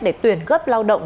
để tuyển gấp lao động